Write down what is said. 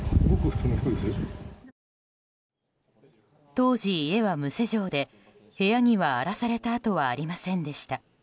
当時、家は無施錠で部屋には荒らされた跡はありませんでした。